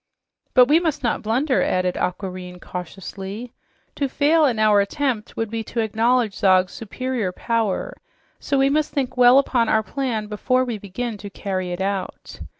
"But we must not blunder," added Aquareine cautiously. "To fail in our attempt would be to acknowledge Zog's superior power, so we must think well upon our plan before we begin to carry it out.